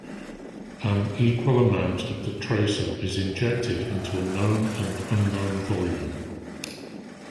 An equal amount of the tracer is injected into a known and unknown volume.